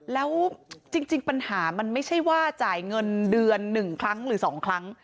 แล้วจริงปัญหามันไม่ใช่ว่าจ่ายเงินเดือน๑ครั้งหรือ๒ครั้ง